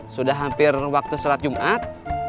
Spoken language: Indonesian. sudah hampir waktu sholat jumat